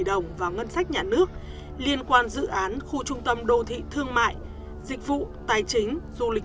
đồng vào ngân sách nhà nước liên quan dự án khu trung tâm đô thị thương mại dịch vụ tài chính du lịch